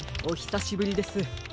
おひさしぶりです。